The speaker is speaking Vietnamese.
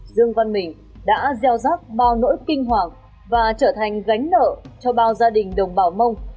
dương văn mình đã gieo rắc bao nỗi kinh hoàng và trở thành gánh nợ cho bao gia đình đồng bào mông